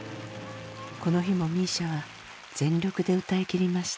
この日もＭＩＳＩＡは全力で歌いきりました。